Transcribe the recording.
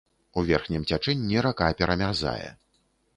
У верхнім цячэнні рака перамярзае.